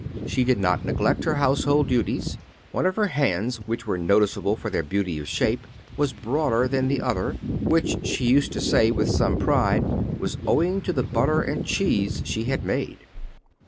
She did not neglect her household duties. One of her hands, which were noticeable for their beauty of shape, was broader than the other, which, she used to say with some pride, was owing to the butter and cheese she had made.